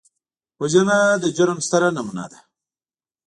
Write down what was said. وژنه د جرم ستره نمونه ده